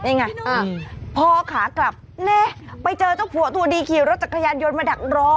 นี่ไงพอขากลับแน่ไปเจอเจ้าผัวตัวดีขี่รถจักรยานยนต์มาดักรอ